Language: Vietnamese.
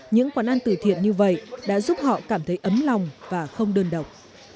những quán ăn từ thiện như vậy đã giúp họ cảm thấy ấm lòng và không đơn độc